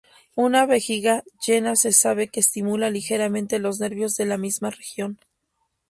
Una vejiga llena se sabe que estimula ligeramente los nervios de la misma región.